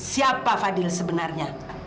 siapa fadil sebenarnya